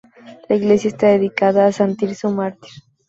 La iglesia está dedicada a san Tirso mártir.